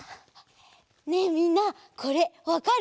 ねえみんなこれわかる？